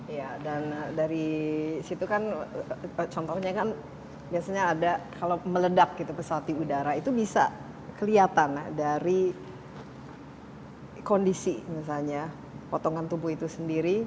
iya dan dari situ kan contohnya kan biasanya ada kalau meledak gitu pesawat di udara itu bisa kelihatan dari kondisi misalnya potongan tubuh itu sendiri